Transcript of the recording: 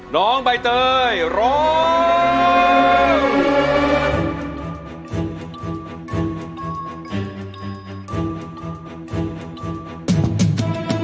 น้องใบเตยร้อง